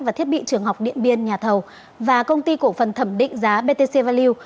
và thiết bị trường học điện biên nhà thầu và công ty cổ phần thẩm định giá btc value